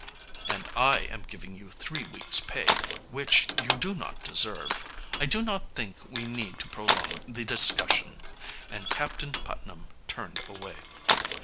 "And I am giving you three weeks pay, which you do not deserve. I do not think we need to prolong the discussion," and Captain Putnam turned away.